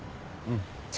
うん。